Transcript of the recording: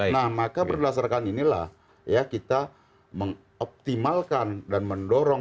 nah maka berdasarkan inilah ya kita mengoptimalkan dan mendorong